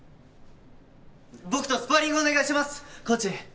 僕とスパーリングお願いしますコーチ！